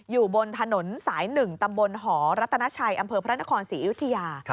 อยู่บนถนนสาย๑ตำบลหอรัตนาชัยอำเภอพระนครศรีอยุธยา